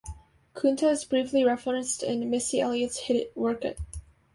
Kunta is briefly referenced in Missy Elliott's hit Work It.